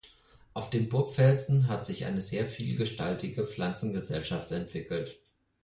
Auf dem Burgfelsen hat sich eine sehr vielgestaltige Pflanzengesellschaft entwickelt.